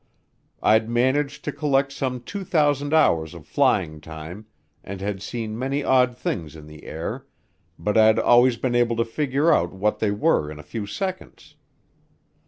I'd managed to collect some 2,000 hours of flying time and had seen many odd things in the air, but I'd always been able to figure out what they were in a few seconds.